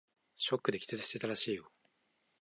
ショックで気絶していたらしいよ。